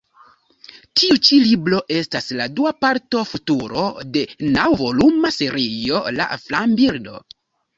Tiu ĉi libro estas la dua parto Futuro de naŭvoluma serio La flambirdo.